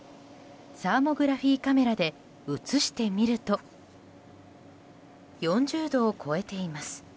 サーモグラフィーカメラで映してみると４０度を超えています。